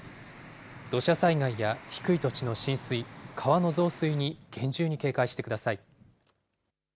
土砂災害や低い土地の浸水、川の増水に厳重に警戒してください。